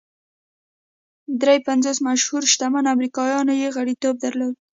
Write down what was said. درې پنځوس مشهورو شتمنو امریکایانو یې غړیتوب درلود